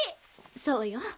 そうよ。